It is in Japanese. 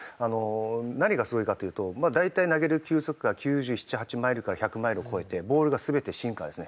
何がすごいかというと大体投げる球速が９７９８マイルから１００マイルを超えてボールが全てシンカーですね。